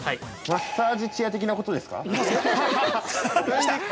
◆マッサージチェア的なことですか。